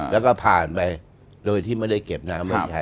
แล้วก็ผ่านไปโดยที่ไม่ได้เก็บน้ำไว้ใช้